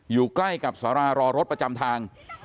อยู่ใกล้กับสารารอรถประจำทาง